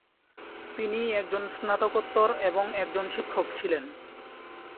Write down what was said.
তিনি একজন স্নাতকোত্তর এবং একজন শিক্ষক ছিলেন।